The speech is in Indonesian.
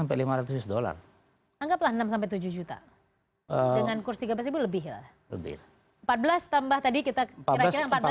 anggaplah enam sampai tujuh juta dengan kursi kebiasa ribu lebih ya